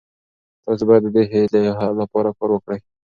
تاسي باید د دې هیلې لپاره کار وکړئ.